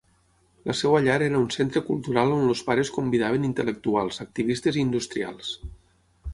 La seva llar era un centre cultural on els pares convidaven intel·lectuals, activistes i industrials.